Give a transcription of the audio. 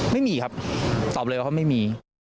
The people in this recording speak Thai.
ไม่มีครับตอบเลยว่าเขาไม่มี